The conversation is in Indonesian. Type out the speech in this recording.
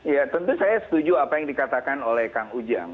ya tentu saya setuju apa yang dikatakan oleh kang ujang